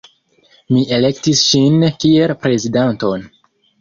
Mi elektis ŝin kiel prezidanton.